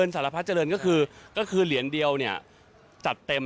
สารพัดเจริญก็คือเหรียญเดียวเนี่ยจัดเต็ม